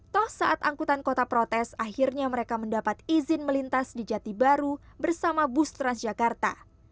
toh saat angkutan kota protes akhirnya mereka mendapat izin melintas di jati baru bersama bus transjakarta